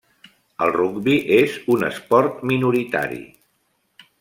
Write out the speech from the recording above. El rugbi és un esport minoritari.